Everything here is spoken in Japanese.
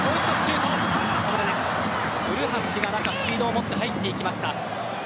古橋が中、スピードを持って入っていきました。